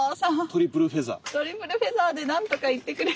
トリプルフェザーでなんとかいってくれ。